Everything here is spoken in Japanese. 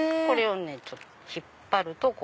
これを引っ張ると。